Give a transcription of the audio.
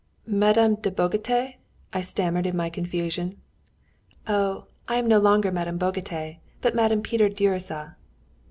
"Madame de Bagotay?" I stammered in my confusion. "Oh, I am no longer Madame Bagotay, but Madame Peter Gyuricza!"